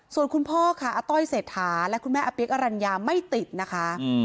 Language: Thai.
ส่วนคุณพ่อค่ะอาต้อยเศรษฐาและคุณแม่อาเปี๊กอรัญญาไม่ติดนะคะ